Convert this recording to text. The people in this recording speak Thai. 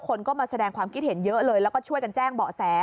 คนก็มาแสดงความคิดเห็นเยอะเลยแล้วก็ช่วยกันแจ้งเบาะแส